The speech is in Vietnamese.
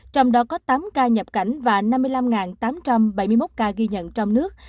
trong đó có tám ca nhập cảnh và năm mươi năm tám trăm bảy mươi một ca ghi nhận trong nước